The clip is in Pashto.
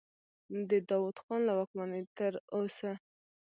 د داود خان له واکمنۍ تر اوسه.